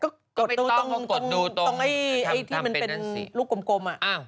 ก็ไปต้องกดดูตรงไอ้ที่มันเป็นลูกกลมอะ